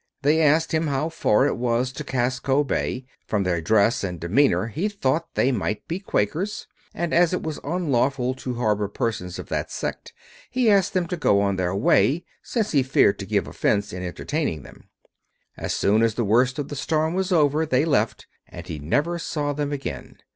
They asked him how far it was to Casco Bay. From their dress and demeanor he thought they might be Quakers, and, as it was unlawful to harbor persons of that sect, he asked them to go on their way, since he feared to give offense in entertaining them. As soon as the worst of the storm was over, they left, and he never saw them again.